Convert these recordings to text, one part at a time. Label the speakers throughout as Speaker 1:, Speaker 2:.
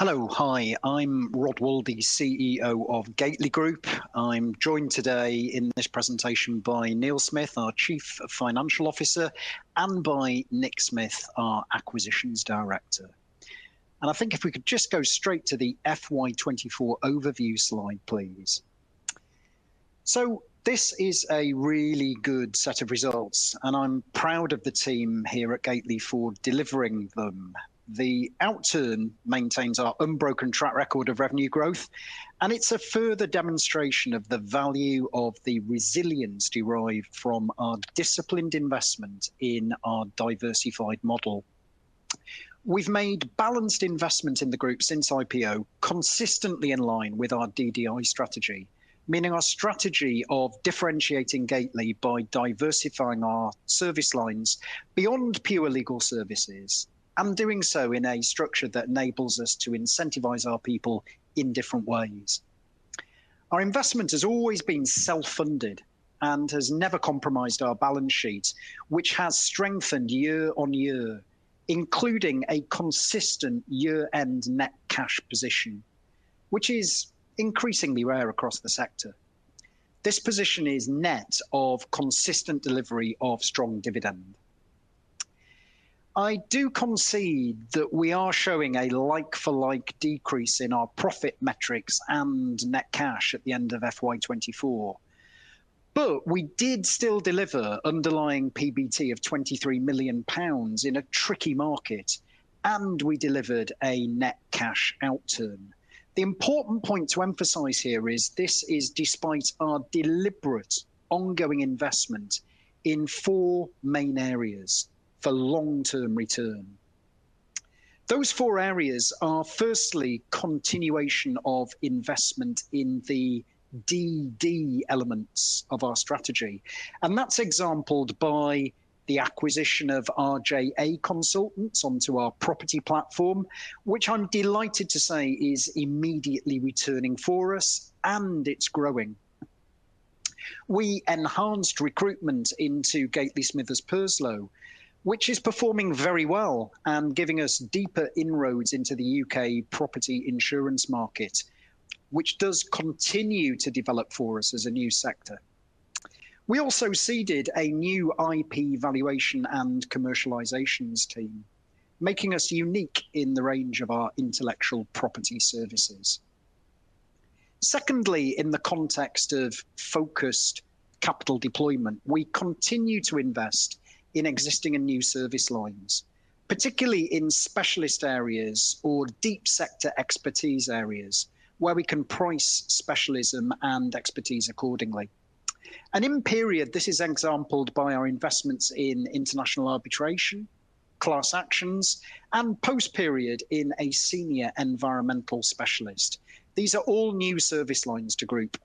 Speaker 1: Hello. Hi, I'm Rod Waldie, CEO of Gateley Group. I'm joined today in this presentation by Neil Smith, our Chief Financial Officer, and by Nick Smith, our Acquisitions Director. I think if we could just go straight to the FY24 overview slide, please. This is a really good set of results, and I'm proud of the team here at Gateley for delivering them. The outturn maintains our unbroken track record of revenue growth, and it's a further demonstration of the value of the resilience derived from our disciplined investment in our diversified model. We've made balanced investments in the group since IPO, consistently in line with our DDI strategy, meaning our strategy of differentiating Gateley by diversifying our service lines beyond pure legal services, and doing so in a structure that enables us to incentivize our people in different ways. Our investment has always been self-funded and has never compromised our balance sheet, which has strengthened year-on-year, including a consistent year-end net cash position, which is increasingly rare across the sector. This position is net of consistent delivery of strong dividend. I do concede that we are showing a like-for-like decrease in our profit metrics and net cash at the end of FY24, but we did still deliver underlying PBT of 23 million pounds in a tricky market, and we delivered a net cash outturn. The important point to emphasize here is this is despite our deliberate ongoing investment in four main areas for long-term return. Those four areas are, firstly, continuation of investment in the DD elements of our strategy, and that's exampled by the acquisition of RJA Consultants onto our property platform, which I'm delighted to say is immediately returning for us, and it's growing. We enhanced recruitment into Gateley Smithers Purslow, which is performing very well and giving us deeper inroads into the UK property insurance market, which does continue to develop for us as a new sector. We also seeded a new IP valuation and commercialization team, making us unique in the range of our intellectual property services. Secondly, in the context of focused capital deployment, we continue to invest in existing and new service lines, particularly in specialist areas or deep sector expertise areas, where we can price specialism and expertise accordingly. And in period, this is exampled by our investments in international arbitration, class actions, and post-period in a senior environmental specialist. These are all new service lines to group.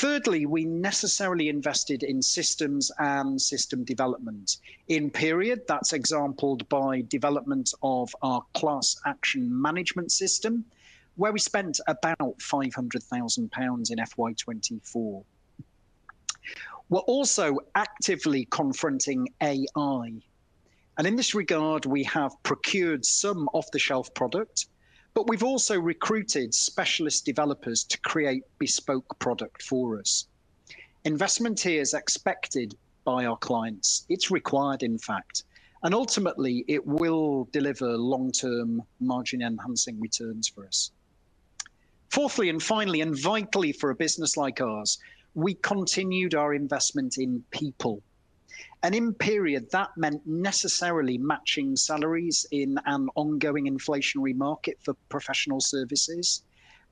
Speaker 1: Thirdly, we necessarily invested in systems and system development. In period, that's exampled by development of our class action management system, where we spent about 500,000 pounds in FY24. We're also actively confronting AI, and in this regard, we have procured some off-the-shelf product, but we've also recruited specialist developers to create bespoke product for us. Investment here is expected by our clients. It's required, in fact, and ultimately, it will deliver long-term margin-enhancing returns for us. Fourthly, and finally, and vitally for a business like ours, we continued our investment in people. And in period, that meant necessarily matching salaries in an ongoing inflationary market for professional services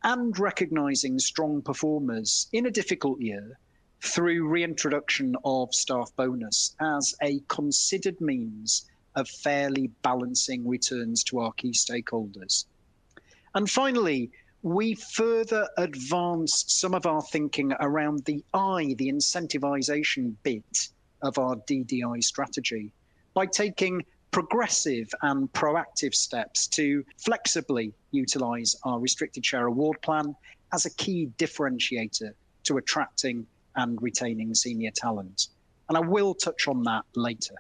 Speaker 1: and recognizing strong performers in a difficult year through reintroduction of staff bonus as a considered means of fairly balancing returns to our key stakeholders. Finally, we further advanced some of our thinking around the I, the incentivization bit of our DDI strategy, by taking progressive and proactive steps to flexibly utilize our Restricted Share Award Plan as a key differentiator to attracting and retaining senior talent, and I will touch on that later.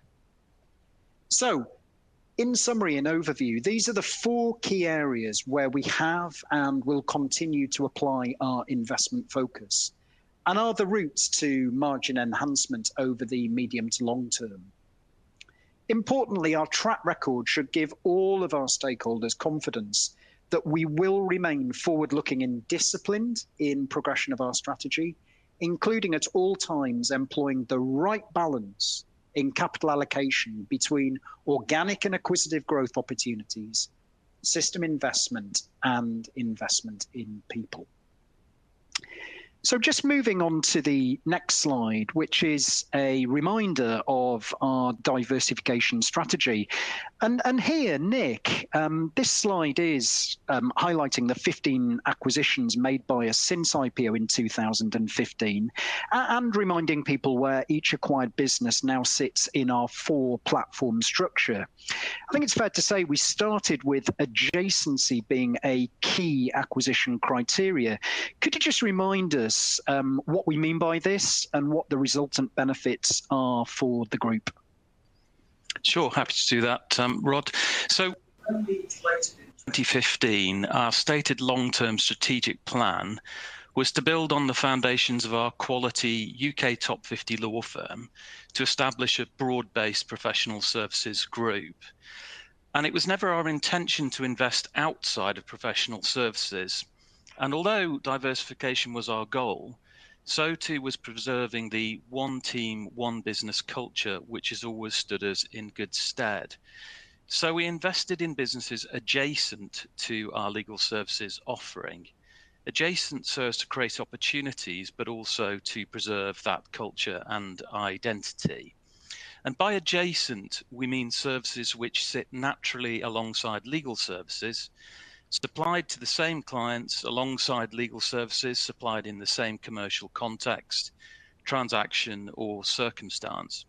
Speaker 1: In summary and overview, these are the four key areas where we have and will continue to apply our investment focus and are the routes to margin enhancement over the medium to long term. Importantly, our track record should give all of our stakeholders confidence that we will remain forward-looking and disciplined in progression of our strategy, including, at all times, employing the right balance in capital allocation between organic and acquisitive growth opportunities, system investment, and investment in people. Just moving on to the next slide, which is a reminder of our diversification strategy. And here, Nick, this slide is highlighting the 15 acquisitions made by us since IPO in 2015, and reminding people where each acquired business now sits in our four-platform structure. I think it's fair to say we started with adjacency being a key acquisition criteria. Could you just remind us, what we mean by this and what the resultant benefits are for the group?...
Speaker 2: Sure, happy to do that, Rod. So in 2015, our stated long-term strategic plan was to build on the foundations of our quality UK top 50 law firm to establish a broad-based professional services group. It was never our intention to invest outside of professional services, and although diversification was our goal, so too was preserving the one team, one business culture, which has always stood us in good stead. We invested in businesses adjacent to our legal services offering. Adjacent so as to create opportunities, but also to preserve that culture and identity. By adjacent, we mean services which sit naturally alongside legal services, supplied to the same clients alongside legal services, supplied in the same commercial context, transaction or circumstance.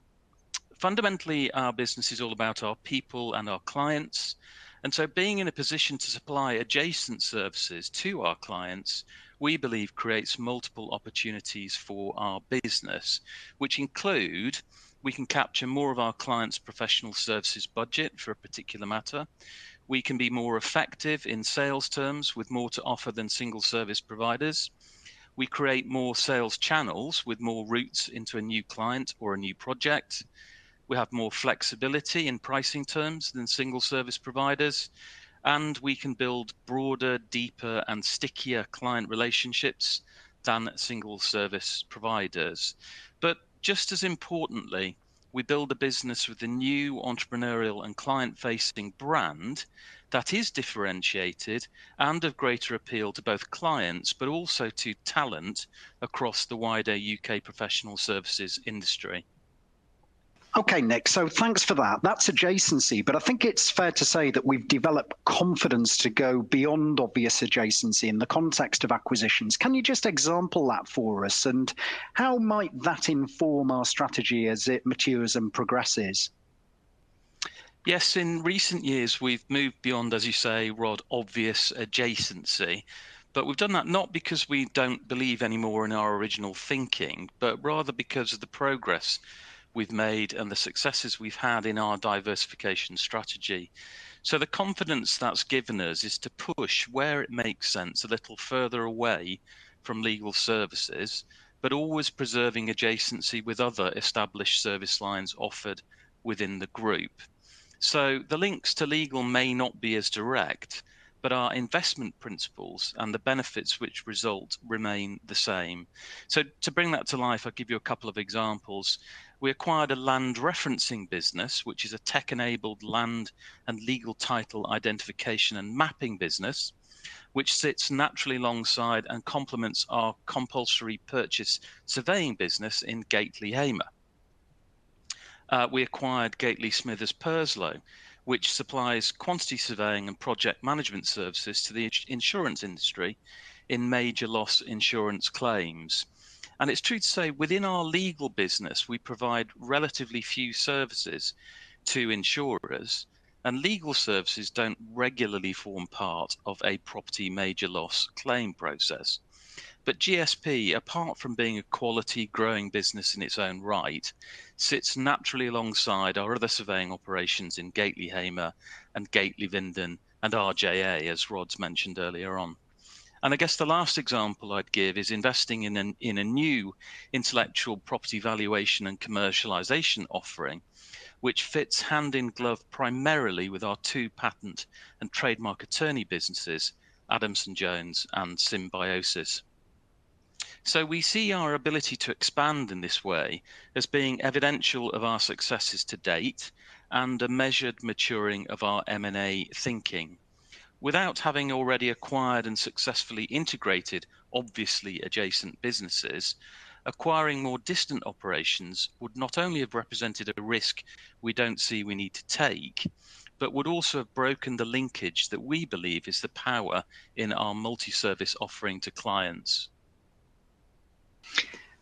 Speaker 2: Fundamentally, our business is all about our people and our clients, and so being in a position to supply adjacent services to our clients, we believe creates multiple opportunities for our business, which include: we can capture more of our clients' professional services budget for a particular matter, we can be more effective in sales terms with more to offer than single service providers, we create more sales channels with more routes into a new client or a new project, we have more flexibility in pricing terms than single service providers, and we can build broader, deeper and stickier client relationships than single service providers. But just as importantly, we build a business with a new entrepreneurial and client-facing brand that is differentiated and of greater appeal to both clients, but also to talent across the wider UK professional services industry.
Speaker 1: Okay, Nick, so thanks for that. That's adjacency, but I think it's fair to say that we've developed confidence to go beyond obvious adjacency in the context of acquisitions. Can you just example that for us, and how might that inform our strategy as it matures and progresses?
Speaker 2: Yes, in recent years, we've moved beyond, as you say, Rod, obvious adjacency. But we've done that not because we don't believe anymore in our original thinking, but rather because of the progress we've made and the successes we've had in our diversification strategy. So the confidence that's given us is to push where it makes sense a little further away from legal services, but always preserving adjacency with other established service lines offered within the group. So the links to legal may not be as direct, but our investment principles and the benefits which result remain the same. So to bring that to life, I'll give you a couple of examples. We acquired a land referencing business, which is a tech-enabled land and legal title identification and mapping business, which sits naturally alongside and complements our compulsory purchase surveying business in Gateley Hamer. We acquired Gateley Smithers Purslow, which supplies quantity surveying and project management services to the insurance industry in major loss insurance claims. It's true to say, within our legal business, we provide relatively few services to insurers, and legal services don't regularly form part of a property major loss claim process. But GSP, apart from being a quality growing business in its own right, sits naturally alongside our other surveying operations in Gateley Hamer and Gateley Vinden and RJA, as Rod's mentioned earlier on. And I guess the last example I'd give is investing in a new intellectual property valuation and commercialization offering, which fits hand in glove primarily with our two patent and trademark attorney businesses, Adamson Jones and Symbiosis. So we see our ability to expand in this way as being evidential of our successes to date and a measured maturing of our M&A thinking. Without having already acquired and successfully integrated obviously adjacent businesses, acquiring more distant operations would not only have represented a risk we don't see we need to take, but would also have broken the linkage that we believe is the power in our multi-service offering to clients.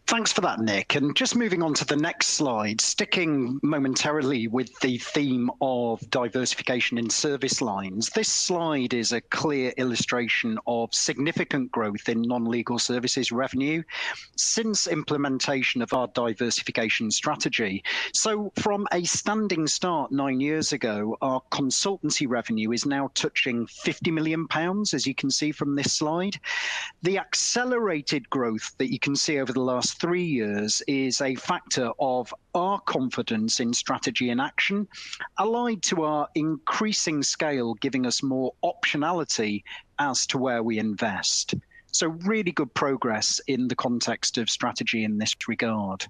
Speaker 1: Thanks for that, Nick. Just moving on to the next slide, sticking momentarily with the theme of diversification in service lines, this slide is a clear illustration of significant growth in non-legal services revenue since implementation of our diversification strategy. From a standing start nine years ago, our consultancy revenue is now touching 50 million pounds, as you can see from this slide. The accelerated growth that you can see over the last three years is a factor of our confidence in strategy and action, allied to our increasing scale, giving us more optionality as to where we invest. Really good progress in the context of strategy in this regard.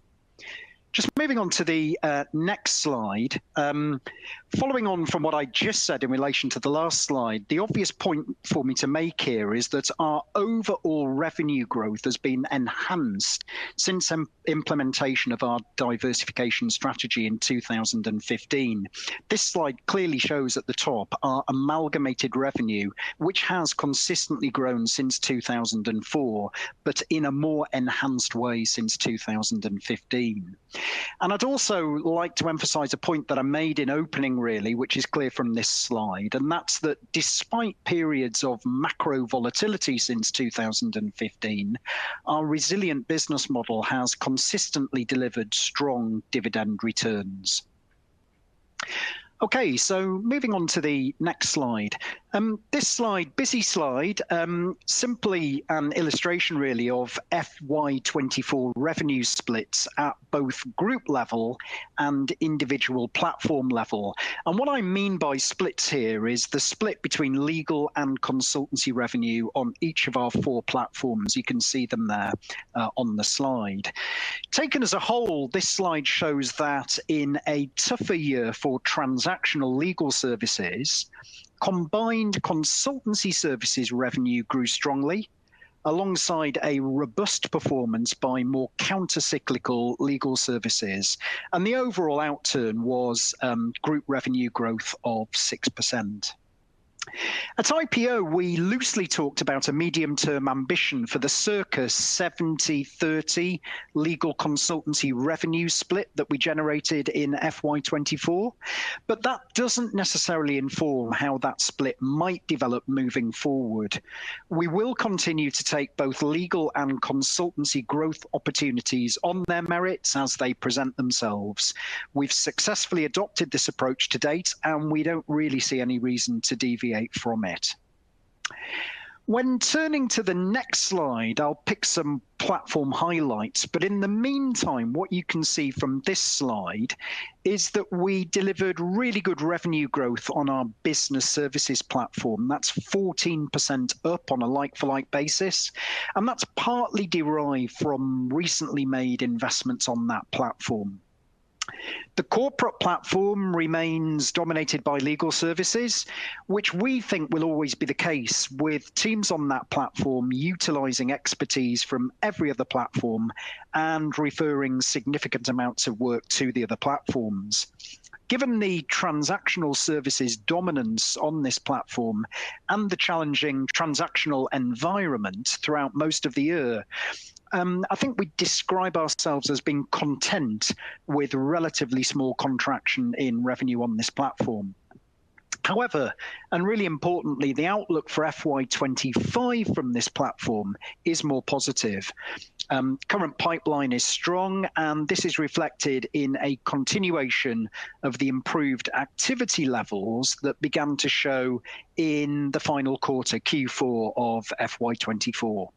Speaker 1: Just moving on to the next slide. Following on from what I just said in relation to the last slide, the obvious point for me to make here is that our overall revenue growth has been enhanced since implementation of our diversification strategy in 2015. This slide clearly shows at the top our amalgamated revenue, which has consistently grown since 2004, but in a more enhanced way since 2015. And I'd also like to emphasize a point that I made in opening, really, which is clear from this slide, and that's that despite periods of macro volatility since 2015, our resilient business model has consistently delivered strong dividend returns. Okay, so moving on to the next slide. This slide, busy slide, simply an illustration really of FY24 revenue splits at both group level and individual platform level. What I mean by splits here is the split between legal and consultancy revenue on each of our four platforms. You can see them there, on the slide. Taken as a whole, this slide shows that in a tougher year for transactional legal services, combined consultancy services revenue grew strongly, alongside a robust performance by more countercyclical legal services, and the overall outturn was, group revenue growth of 6%. At IPO, we loosely talked about a medium-term ambition for the circa 70-30 legal consultancy revenue split that we generated in FY24, but that doesn't necessarily inform how that split might develop moving forward. We will continue to take both legal and consultancy growth opportunities on their merits as they present themselves. We've successfully adopted this approach to date, and we don't really see any reason to deviate from it. When turning to the next slide, I'll pick some platform highlights, but in the meantime, what you can see from this slide is that we delivered really good revenue growth on our business services platform. That's 14% up on a like-for-like basis, and that's partly derived from recently made investments on that platform. The corporate platform remains dominated by legal services, which we think will always be the case, with teams on that platform utilizing expertise from every other platform and referring significant amounts of work to the other platforms. Given the transactional services dominance on this platform and the challenging transactional environment throughout most of the year, I think we'd describe ourselves as being content with relatively small contraction in revenue on this platform. However, and really importantly, the outlook for FY 2025 from this platform is more positive. Current pipeline is strong, and this is reflected in a continuation of the improved activity levels that began to show in the final quarter, Q4 of FY 2024.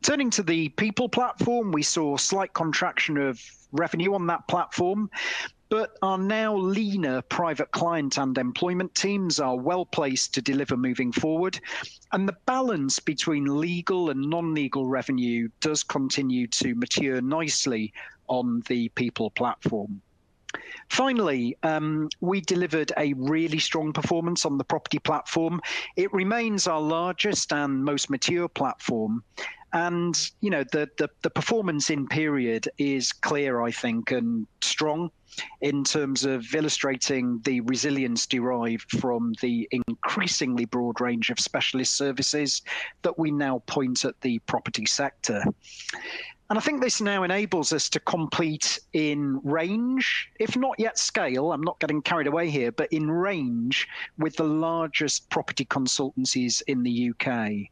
Speaker 1: Turning to the people platform, we saw a slight contraction of revenue on that platform, but our now leaner private client and employment teams are well-placed to deliver moving forward, and the balance between legal and non-legal revenue does continue to mature nicely on the people platform. Finally, we delivered a really strong performance on the property platform. It remains our largest and most mature platform, and, you know, the performance in period is clear, I think, and strong in terms of illustrating the resilience derived from the increasingly broad range of specialist services that we now point at the property sector. I think this now enables us to compete in range, if not yet scale, I'm not getting carried away here, but in range with the largest property consultancies in the U.K.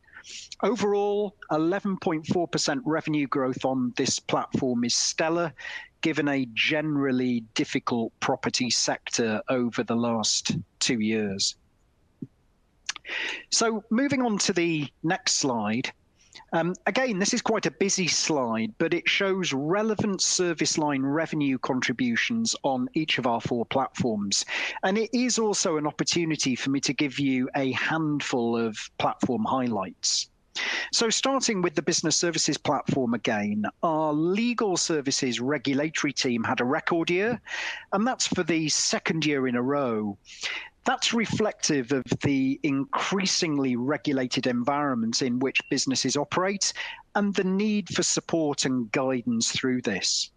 Speaker 1: Overall, 11.4% revenue growth on this platform is stellar, given a generally difficult property sector over the last two years. Moving on to the next slide. Again, this is quite a busy slide, but it shows relevant service line revenue contributions on each of our four platforms, and it is also an opportunity for me to give you a handful of platform highlights. Starting with the business services platform again, our legal services regulatory team had a record year, and that's for the second year in a row. That's reflective of the increasingly regulated environments in which businesses operate and the need for support and guidance through this.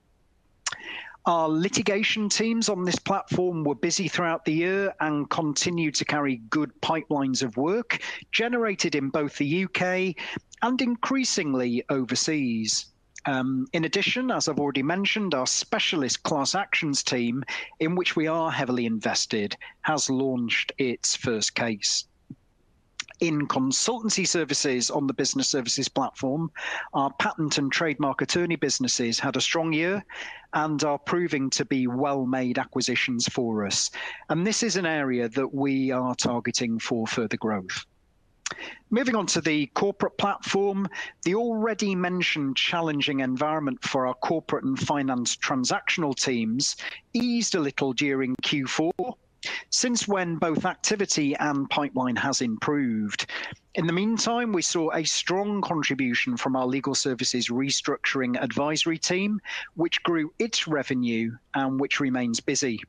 Speaker 1: Our litigation teams on this platform were busy throughout the year and continue to carry good pipelines of work generated in both the U.K. and increasingly overseas. In addition, as I've already mentioned, our specialist class actions team, in which we are heavily invested, has launched its first case. In consultancy services on the business services platform, our patent and trademark attorney businesses had a strong year and are proving to be well-made acquisitions for us, and this is an area that we are targeting for further growth. Moving on to the corporate platform, the already mentioned challenging environment for our corporate and finance transactional teams eased a little during Q4, since when both activity and pipeline has improved. In the meantime, we saw a strong contribution from our legal services restructuring advisory team, which grew its revenue and which remains busy.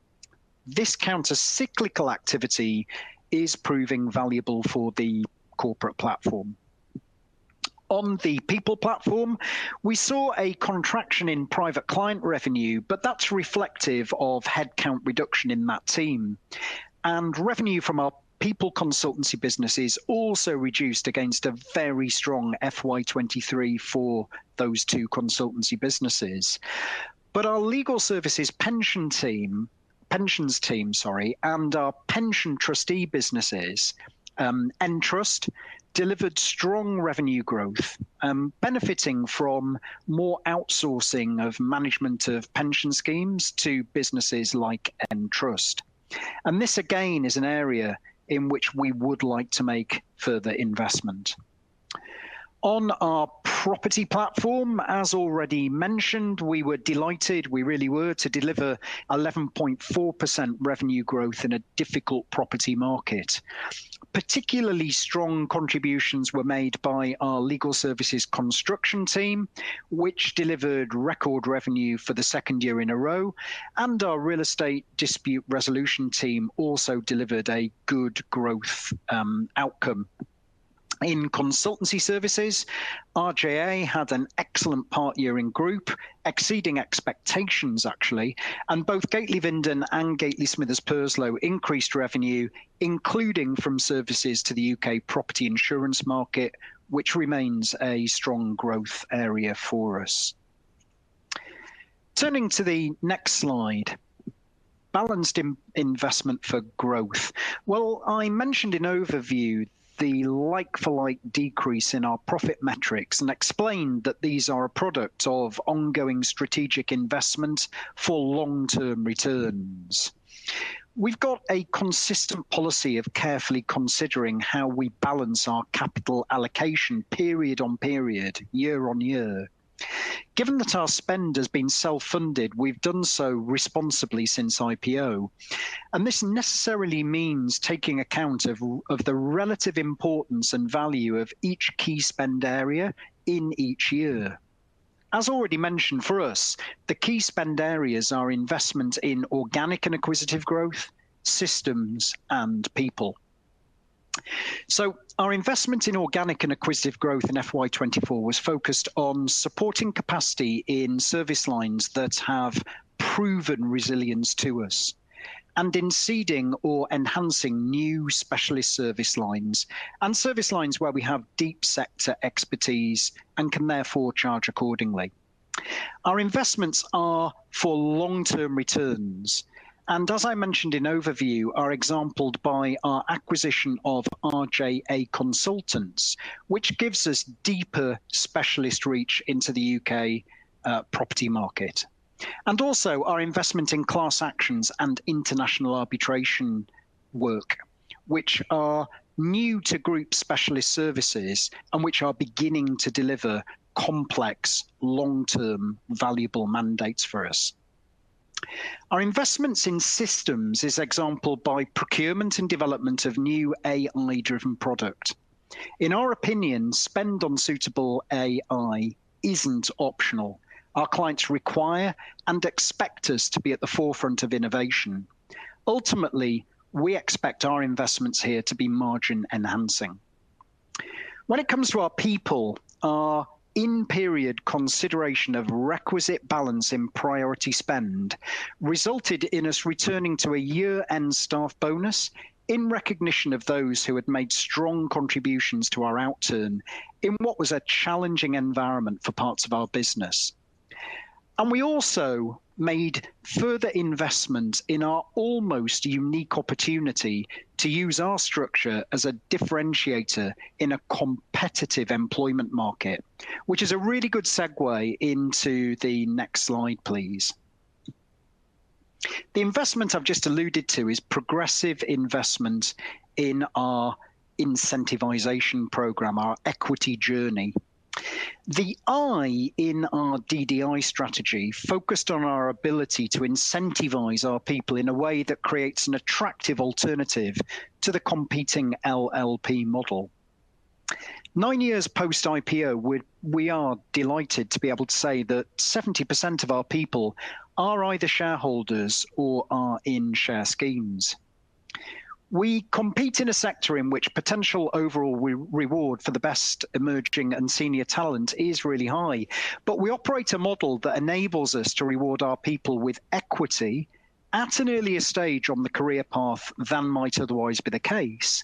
Speaker 1: This countercyclical activity is proving valuable for the corporate platform. On the people platform, we saw a contraction in private client revenue, but that's reflective of headcount reduction in that team. Revenue from our people consultancy businesses also reduced against a very strong FY 2023 for those two consultancy businesses. But our legal services pension team, pensions team, sorry, and our pension trustee businesses, Entrust, delivered strong revenue growth, benefiting from more outsourcing of management of pension schemes to businesses like Entrust. This again is an area in which we would like to make further investment. On our property platform, as already mentioned, we were delighted, we really were, to deliver 11.4% revenue growth in a difficult property market. Particularly strong contributions were made by our legal services construction team, which delivered record revenue for the second year in a row, and our real estate dispute resolution team also delivered a good growth outcome. In consultancy services, RJA had an excellent part year in group, exceeding expectations, actually, and both Gateley Vinden and Gateley Smithers Purslow increased revenue, including from services to the U.K. property insurance market, which remains a strong growth area for us. Turning to the next slide: balanced investment for growth. Well, I mentioned in overview the like-for-like decrease in our profit metrics, and explained that these are a product of ongoing strategic investment for long-term returns. We've got a consistent policy of carefully considering how we balance our capital allocation period-on-period, year-on-year. Given that our spend has been self-funded, we've done so responsibly since IPO, and this necessarily means taking account of the relative importance and value of each key spend area in each year. As already mentioned, for us, the key spend areas are investment in organic and acquisitive growth, systems and people. So our investment in organic and acquisitive growth in FY 2024 was focused on supporting capacity in service lines that have proven resilience to us, and in seeding or enhancing new specialist service lines, and service lines where we have deep sector expertise and can therefore charge accordingly. Our investments are for long-term returns, and as I mentioned in overview, are exampled by our acquisition of RJA Consultants, which gives us deeper specialist reach into the U.K. property market. Also our investment in class actions and international arbitration work, which are new to group specialist services and which are beginning to deliver complex, long-term, valuable mandates for us. Our investments in systems is exemplified by procurement and development of new AI-driven product. In our opinion, spend on suitable AI isn't optional. Our clients require and expect us to be at the forefront of innovation. Ultimately, we expect our investments here to be margin-enhancing. When it comes to our people, our in-period consideration of requisite balance in priority spend resulted in us returning to a year-end staff bonus in recognition of those who had made strong contributions to our outturn, in what was a challenging environment for parts of our business. We also made further investments in our almost unique opportunity to use our structure as a differentiator in a competitive employment market, which is a really good segue into the next slide, please. The investment I've just alluded to is progressive investment in our incentivization program, our equity journey. The I in our DDI strategy focused on our ability to incentivize our people in a way that creates an attractive alternative to the competing LLP model. Nine years post-IPO, we are delighted to be able to say that 70% of our people are either shareholders or are in share schemes. We compete in a sector in which potential overall reward for the best emerging and senior talent is really high, but we operate a model that enables us to reward our people with equity at an earlier stage on the career path than might otherwise be the case,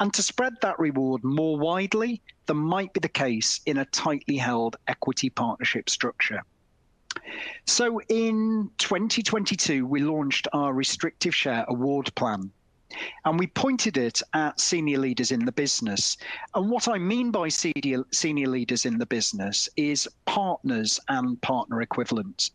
Speaker 1: and to spread that reward more widely than might be the case in a tightly held equity partnership structure. So in 2022, we launched our Restricted Share Award Plan, and we pointed it at senior leaders in the business. And what I mean by senior leaders in the business is partners and partner equivalents.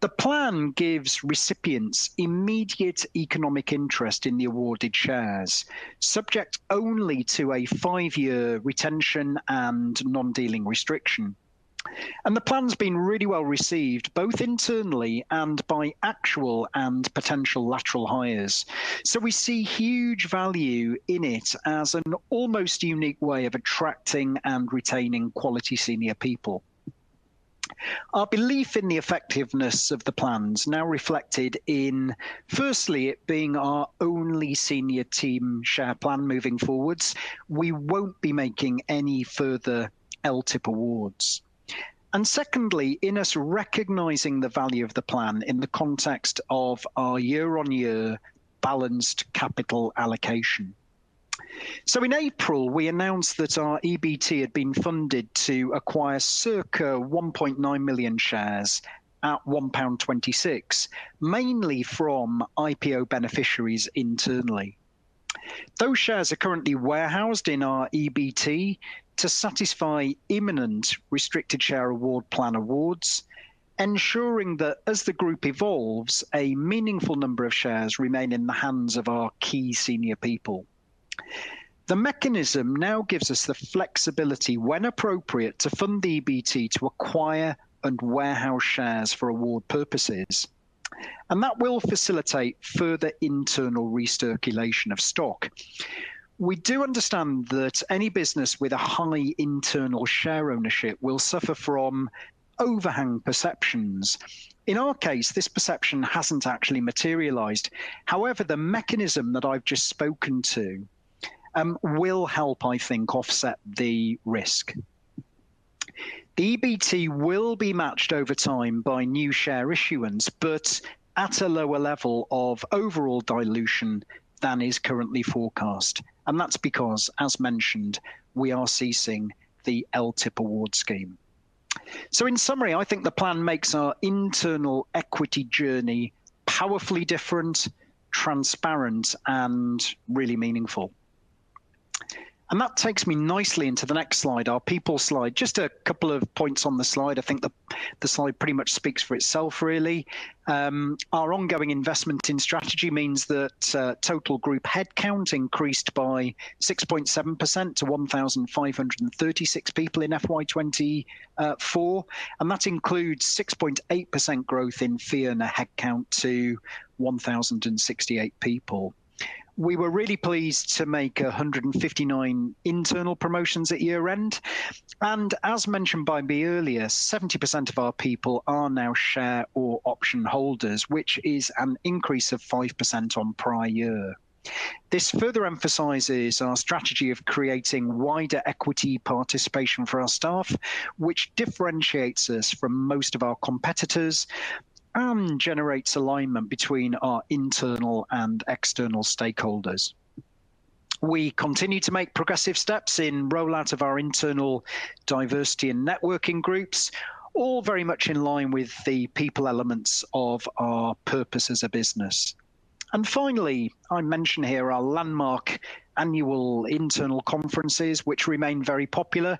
Speaker 1: The plan gives recipients immediate economic interest in the awarded shares, subject only to a five-year retention and non-dealing restriction. And the plan's been really well received, both internally and by actual and potential lateral hires. So we see huge value in it as an almost unique way of attracting and retaining quality senior people. Our belief in the effectiveness of the plans, now reflected in, firstly, it being our only senior team share plan moving forwards, we won't be making any further LTIP awards. And secondly, in us recognizing the value of the plan in the context of our year-on-year balanced capital allocation. So in April, we announced that our EBT had been funded to acquire circa 1.9 million shares at 1.26 pound, mainly from IPO beneficiaries internally.... Those shares are currently warehoused in our EBT to satisfy imminent restricted share award plan awards, ensuring that as the group evolves, a meaningful number of shares remain in the hands of our key senior people. The mechanism now gives us the flexibility, when appropriate, to fund the EBT to acquire and warehouse shares for award purposes, and that will facilitate further internal recirculation of stock. We do understand that any business with a high internal share ownership will suffer from overhang perceptions. In our case, this perception hasn't actually materialized. However, the mechanism that I've just spoken to will help, I think, offset the risk. The EBT will be matched over time by new share issuance, but at a lower level of overall dilution than is currently forecast. That's because, as mentioned, we are ceasing the LTIP award scheme. In summary, I think the plan makes our internal equity journey powerfully different, transparent, and really meaningful. That takes me nicely into the next slide, our people slide. Just a couple of points on the slide. I think the slide pretty much speaks for itself, really. Our ongoing investment in strategy means that total group headcount increased by 6.7% to 1,536 people in FY 2024, and that includes 6.8% growth in fee earner headcount to 1,068 people. We were really pleased to make 159 internal promotions at year-end. As mentioned by me earlier, 70% of our people are now share or option holders, which is an increase of 5% on prior year. This further emphasizes our strategy of creating wider equity participation for our staff, which differentiates us from most of our competitors and generates alignment between our internal and external stakeholders. We continue to make progressive steps in rollout of our internal diversity and networking groups, all very much in line with the people elements of our purpose as a business. Finally, I mention here our landmark annual internal conferences, which remain very popular,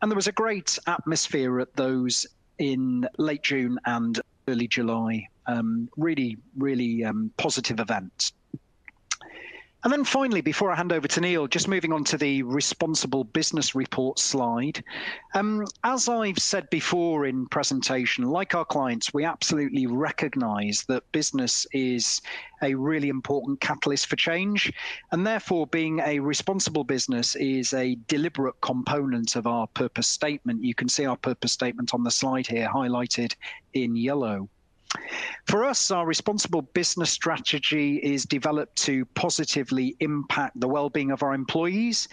Speaker 1: and there was a great atmosphere at those in late June and early July. Really, really positive events. Then finally, before I hand over to Neil, just moving on to the Responsible Business Report slide. As I've said before in presentation, like our clients, we absolutely recognize that business is a really important catalyst for change, and therefore, being a responsible business is a deliberate component of our purpose statement. You can see our purpose statement on the slide here, highlighted in yellow. For us, our responsible business strategy is developed to positively impact the well-being of our employees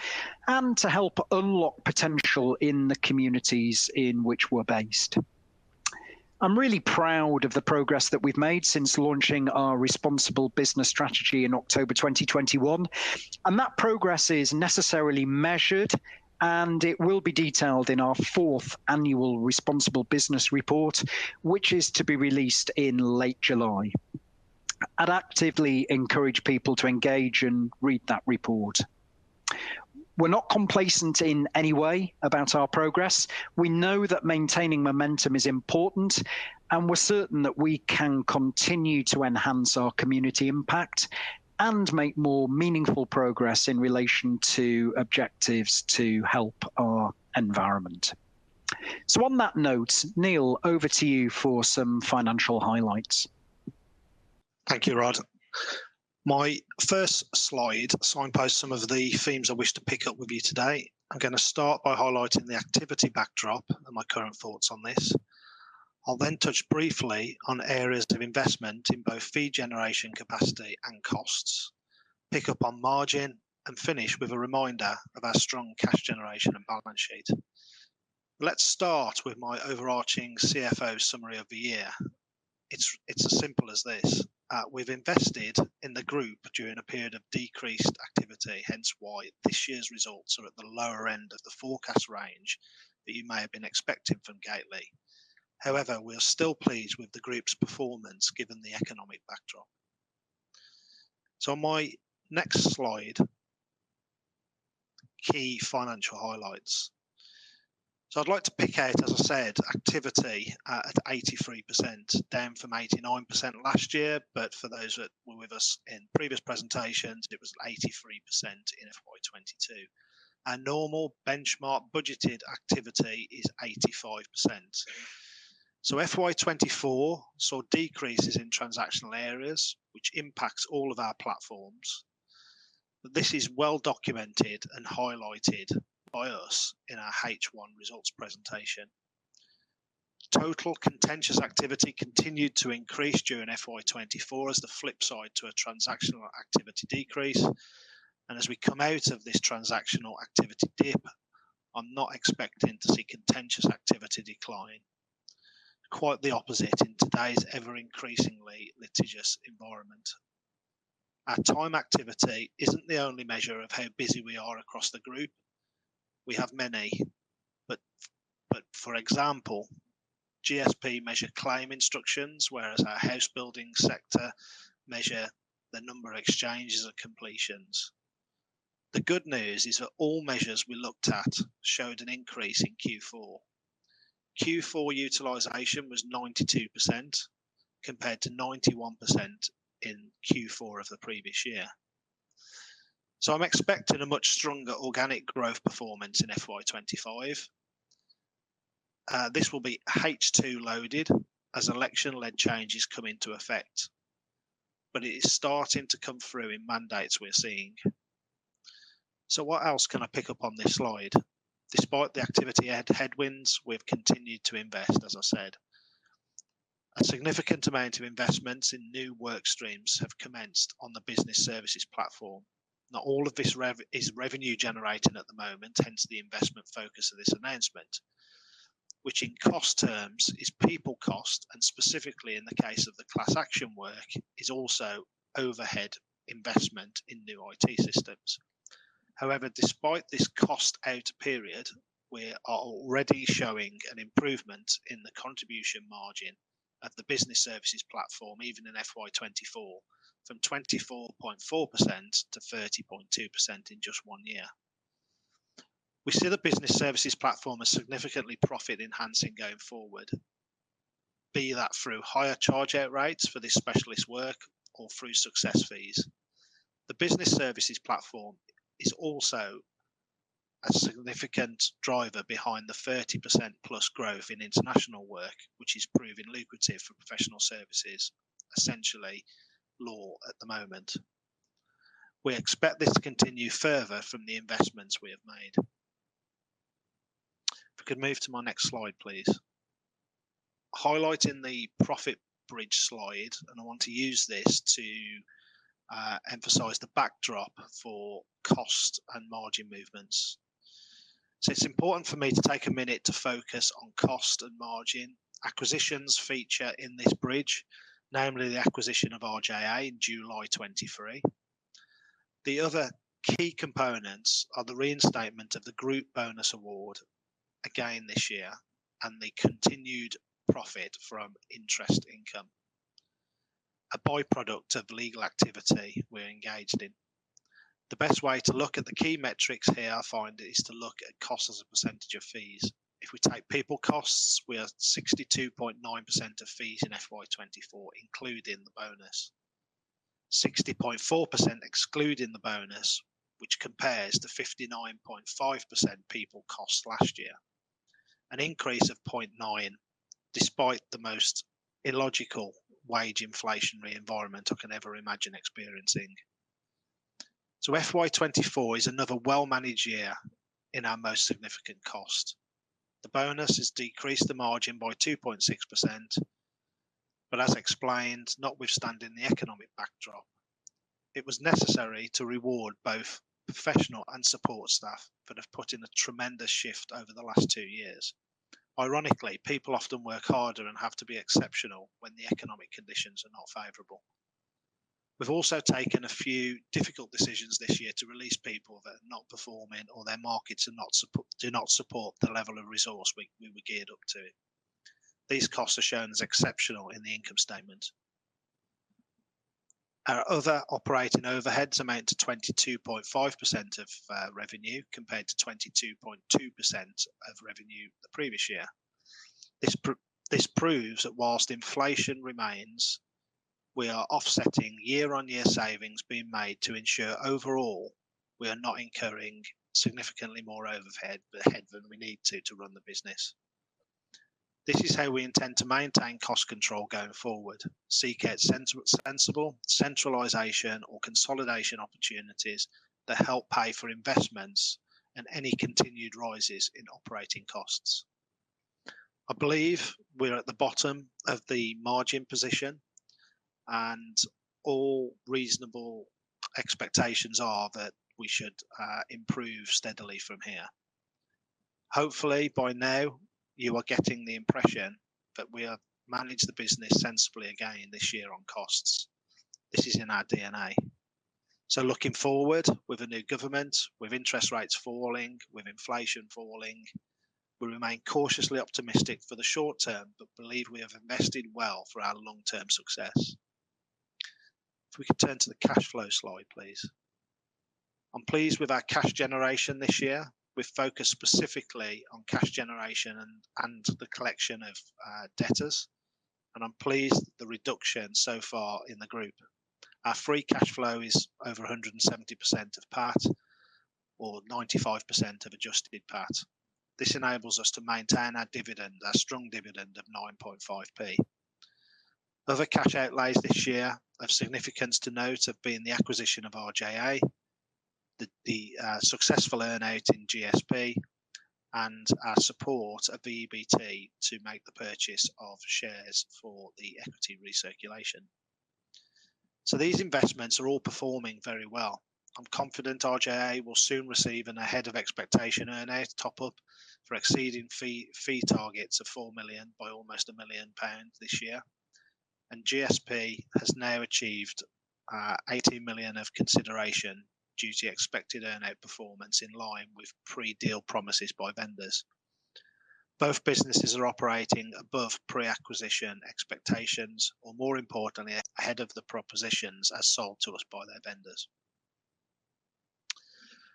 Speaker 1: and to help unlock potential in the communities in which we're based. I'm really proud of the progress that we've made since launching our responsible business strategy in October 2021, and that progress is necessarily measured, and it will be detailed in our fourth annual Responsible Business Report, which is to be released in late July. I'd actively encourage people to engage and read that report. We're not complacent in any way about our progress. We know that maintaining momentum is important, and we're certain that we can continue to enhance our community impact and make more meaningful progress in relation to objectives to help our environment. So on that note, Neil, over to you for some financial highlights.
Speaker 3: Thank you, Rod. My first slide signposts some of the themes I wish to pick up with you today. I'm gonna start by highlighting the activity backdrop and my current thoughts on this. I'll then touch briefly on areas of investment in both fee generation, capacity, and costs, pick up on margin, and finish with a reminder of our strong cash generation and balance sheet. Let's start with my overarching CFO summary of the year. It's, it's as simple as this: we've invested in the group during a period of decreased activity, hence why this year's results are at the lower end of the forecast range that you may have been expecting from Gateley. However, we're still pleased with the group's performance, given the economic backdrop. So my next slide, key financial highlights. So I'd like to pick out, as I said, activity at 83%, down from 89% last year, but for those that were with us in previous presentations, it was 83% in FY 2022. Our normal benchmark budgeted activity is 85%. So FY 2024 saw decreases in transactional areas, which impacts all of our platforms. This is well documented and highlighted by us in our H1 results presentation. Total contentious activity continued to increase during FY 2024 as the flip side to a transactional activity decrease, and as we come out of this transactional activity dip, I'm not expecting to see contentious activity decline. Quite the opposite in today's ever-increasingly litigious environment. Our time activity isn't the only measure of how busy we are across the group. We have many, but-... For example, GSP measure claim instructions, whereas our housebuilding sector measure the number of exchanges or completions. The good news is that all measures we looked at showed an increase in Q4. Q4 utilization was 92%, compared to 91% in Q4 of the previous year. So I'm expecting a much stronger organic growth performance in FY 2025. This will be H2 loaded as election-led changes come into effect, but it is starting to come through in mandates we're seeing. So what else can I pick up on this slide? Despite the activity headwinds, we've continued to invest as I said. A significant amount of investments in new work streams have commenced on the business services platform. Not all of this revenue is revenue-generating at the moment, hence the investment focus of this announcement, which in cost terms, is people cost, and specifically in the case of the class action work, is also overhead investment in new IT systems. However, despite this cost out period, we are already showing an improvement in the contribution margin at the business services platform, even in FY 2024, from 24.4% to 30.2% in just one year. We see the business services platform as significantly profit-enhancing going forward, be that through higher charge-out rates for this specialist work or through success fees. The business services platform is also a significant driver behind the 30%+ growth in international work, which is proving lucrative for professional services, essentially law at the moment. We expect this to continue further from the investments we have made. If we could move to my next slide, please. Highlighting the profit bridge slide, and I want to use this to emphasize the backdrop for cost and margin movements. So it's important for me to take a minute to focus on cost and margin. Acquisitions feature in this bridge, namely the acquisition of RJA in July 2023. The other key components are the reinstatement of the group bonus award again this year and the continued profit from interest income, a by-product of legal activity we're engaged in. The best way to look at the key metrics here, I find, is to look at cost as a percentage of fees. If we take people costs, we are 62.9% of fees in FY 2024, including the bonus. 60.4%, excluding the bonus, which compares to 59.5% people cost last year. An increase of 0.9, despite the most illogical wage inflationary environment I can ever imagine experiencing. So FY 2024 is another well-managed year in our most significant cost. The bonus has decreased the margin by 2.6%, but as explained, notwithstanding the economic backdrop, it was necessary to reward both professional and support staff that have put in a tremendous shift over the last 2 years. Ironically, people often work harder and have to be exceptional when the economic conditions are not favorable. We've also taken a few difficult decisions this year to release people that are not performing or their markets are not support—do not support the level of resource we were geared up to. These costs are shown as exceptional in the income statement. Our other operating overheads amount to 22.5% of revenue, compared to 22.2% of revenue the previous year. This proves that while inflation remains, we are offsetting year-on-year savings being made to ensure overall, we are not incurring significantly more overhead budget than we need to, to run the business. This is how we intend to maintain cost control going forward, seek out sensible centralization or consolidation opportunities that help pay for investments and any continued rises in operating costs. I believe we're at the bottom of the margin position, and all reasonable expectations are that we should improve steadily from here. Hopefully, by now, you are getting the impression that we have managed the business sensibly again this year on costs. This is in our DNA. Looking forward, with a new government, with interest rates falling, with inflation falling, we remain cautiously optimistic for the short term but believe we have invested well for our long-term success. If we could turn to the cash flow slide, please. I'm pleased with our cash generation this year. We've focused specifically on cash generation and, and the collection of debtors, and I'm pleased with the reduction so far in the group. Our free cash flow is over 170% of PAT or 95% of adjusted PAT. This enables us to maintain our dividend, our strong dividend of 9.5p. Other cash outlays this year of significance to note have been the acquisition of RJA, the successful earn-out in GSP, and our support of the EBT to make the purchase of shares for the equity recirculation. So these investments are all performing very well. I'm confident RJA will soon receive an ahead of expectation earn-out top-up for exceeding fee targets of 4 million by almost 1 million pounds this year, and GSP has now achieved 80 million of consideration due to expected earn-out performance in line with pre-deal promises by vendors. Both businesses are operating above pre-acquisition expectations, or more importantly, ahead of the propositions as sold to us by their vendors.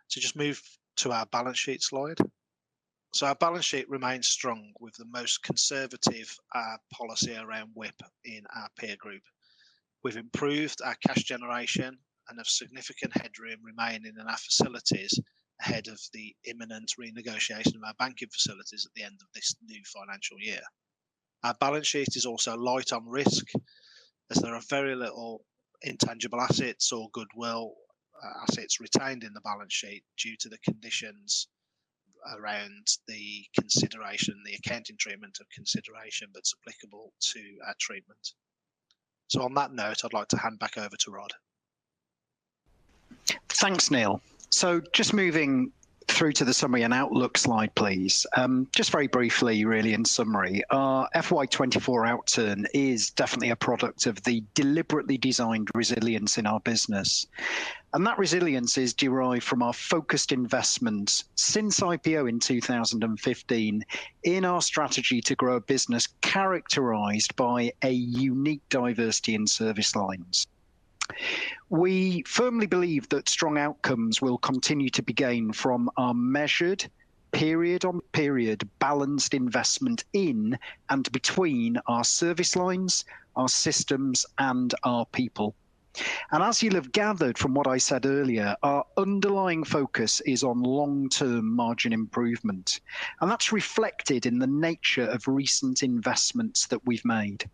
Speaker 3: So just move to our balance sheets slide. So our balance sheet remains strong, with the most conservative policy around WIP in our peer group. We've improved our cash generation and have significant headroom remaining in our facilities ahead of the imminent renegotiation of our banking facilities at the end of this new financial year. Our balance sheet is also light on risk, as there are very little intangible assets or goodwill, assets retained in the balance sheet due to the conditions around the consideration, the accounting treatment or consideration that's applicable to our treatment. So on that note, I'd like to hand back over to Rod.
Speaker 1: Thanks, Neil. So just moving through to the summary and outlook slide, please. Just very briefly, really in summary, our FY24 outturn is definitely a product of the deliberately designed resilience in our business, and that resilience is derived from our focused investments since IPO in 2015 in our strategy to grow a business characterized by a unique diversity in service lines. We firmly believe that strong outcomes will continue to be gained from our measured period-on-period balanced investment in and between our service lines, our systems, and our people. And as you'll have gathered from what I said earlier, our underlying focus is on long-term margin improvement, and that's reflected in the nature of recent investments that we've made.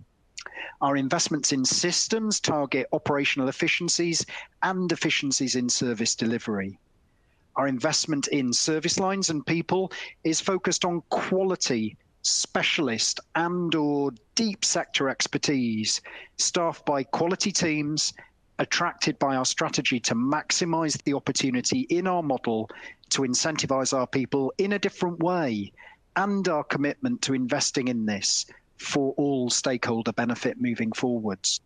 Speaker 1: Our investments in systems target operational efficiencies and efficiencies in service delivery. Our investment in service lines and people is focused on quality, specialist, and/or deep sector expertise, staffed by quality teams attracted by our strategy to maximize the opportunity in our model, to incentivize our people in a different way, and our commitment to investing in this for all stakeholder benefit moving forwards.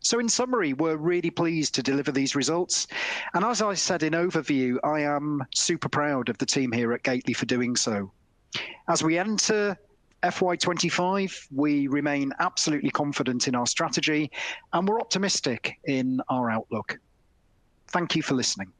Speaker 1: So in summary, we're really pleased to deliver these results, and as I said in overview, I am super proud of the team here at Gateley for doing so. As we enter FY 2025, we remain absolutely confident in our strategy, and we're optimistic in our outlook. Thank you for listening.